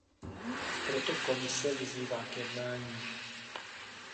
Proto Komise vyzývá k jednání.